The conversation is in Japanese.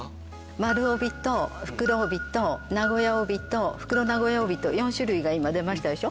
丸帯と袋帯と名古屋帯と袋名古屋帯と４種類が今出ましたでしょ？